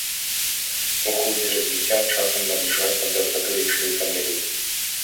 У ходзе развіцця часам набліжаецца да сатырычнай камедыі.